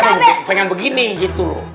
pengen begini gitu loh